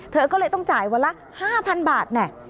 เธอก็เลยต้องจ่ายวันละ๕๐๐๐บาทแน่